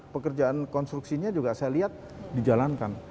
pekerjaan konstruksinya juga saya lihat dijalankan